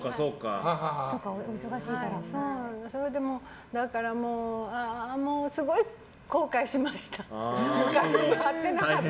それで、すごい後悔しました。